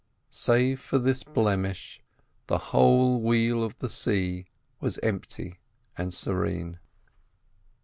Save for this blemish the whole wheel of the sea was empty and serene.